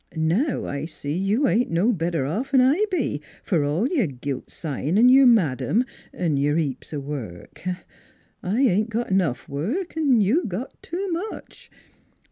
Now I see you ain't no better off 'n' I be, fer all y'r gilt sign 'n' y'r Madame 'n' y'r heaps o' work. I ain't got 'nough work, 'n' you got too much.